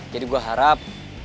jadi gue harap